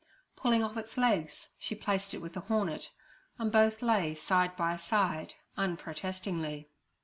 Pulling off its legs, she placed it with the hornet, and both lay side by side unprotestingly.